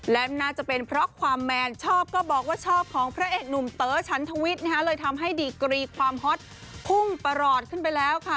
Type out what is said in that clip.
และน่าจะเป็นเพราะความแมนชอบก็บอกว่าชอบของพระเอกหนุ่มเต๋อฉันทวิทย์เลยทำให้ดีกรีความฮอตพุ่งประหลอดขึ้นไปแล้วค่ะ